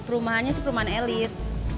rumahannya sih perumahan elit